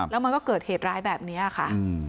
แล้วมันก็เกิดเหตุร้ายแบบนี้ค่ะ